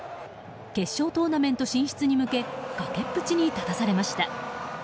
決勝トーナメント進出に向け崖っぷちに立たされました。